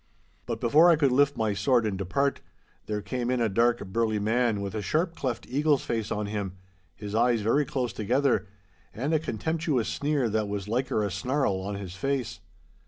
But before I could lift my sword and depart, there came in a dark, burly man with a sharp cleft eagle's face on him, his eyes very close together, and a contemptuous sneer that was liker a snarl, on his face.